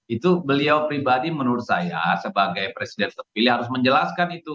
itu beliau pribadi menurut saya sebagai presiden terpilih harus menjelaskan itu